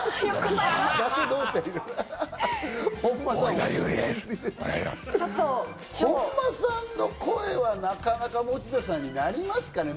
本間さんの声はなかなか持田さんになりますかね？